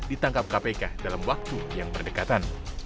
ditangkap kpk dalam waktu yang berdekatan